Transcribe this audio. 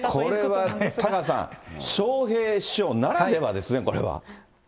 これはね、タカさん、笑瓶師匠ならではですね、これは。